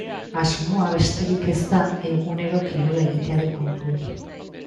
Asmoa besterik ez da egunero kirola egitearen kontu hori.